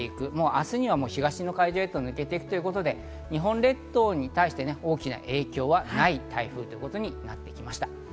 明日には東の海上へと抜けていくということで日本列島に対して大きな影響はない台風ということになってきました。